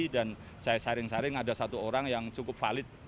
dan saya saring saring ada satu orang yang cukup valid